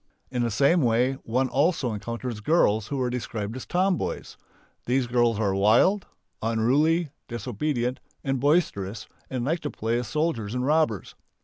In the same way one also encounters girls who are described as "tomboys." These girls are wild, unruly, disobedient, boisterous, and like to play at soldiers and robbers.